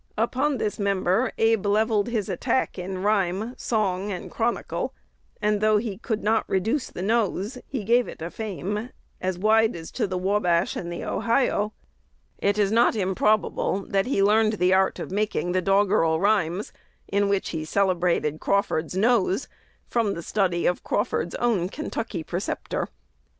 Upon this member Abe levelled his attack in rhyme, song, and "chronicle;" and, though he could not reduce the nose, he gave it a fame as wide as to the Wabash and the Ohio. It is not improbable that he learned the art of making the doggerel rhymes in which he celebrated Crawford's nose from the study of Crawford's own "Kentucky Preceptor."